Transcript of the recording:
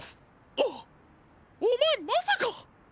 あっおまえまさか！？